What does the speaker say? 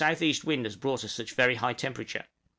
E. wind has brought us such a very high temperature?